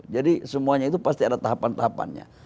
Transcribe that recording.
jadi semuanya itu pasti ada tahapan tahapannya